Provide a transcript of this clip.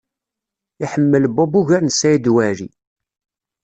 Iḥemmel Bob ugar n Saɛid Waɛli.